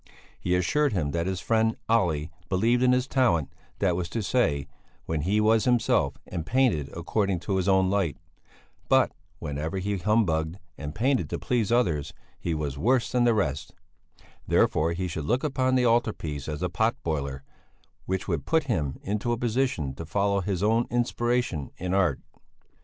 He assured him that his friend, Olle, believed in his talent, that was to say, when he was himself and painted according to his own light; but whenever he humbugged and painted to please others he was worse than the rest; therefore he should look upon the altar piece as a pot boiler which would put him into a position to follow his own inspiration in art.